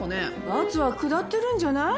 罰は下ってるんじゃない？